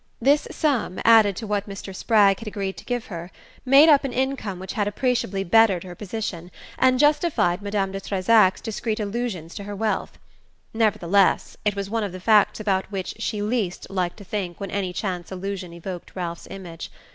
This sum, added to what Mr. Spragg had agreed to give her, made up an income which had appreciably bettered her position, and justified Madame de Trezac's discreet allusions to her wealth. Nevertheless, it was one of the facts about which she least liked to think when any chance allusion evoked Ralph's image.